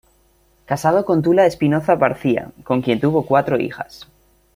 Casado con Tula Espinoza Barcia con quien tuvo cuatro hijas.